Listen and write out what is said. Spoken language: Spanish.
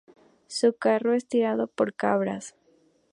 Su carro es tirado por cabras.